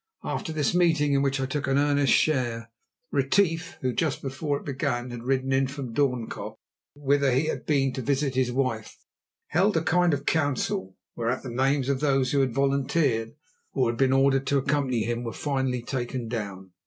After this meeting, in which I took an earnest share, Retief who just before it began had ridden in from Doornkop, whither he had been to visit his wife, held a kind of council, whereat the names of those who had volunteered or been ordered to accompany him, were finally taken down.